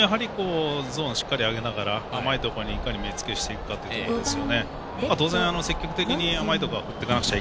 ゾーンをしっかり上げながら甘いところにいかに目つけしていくかっていうところですね。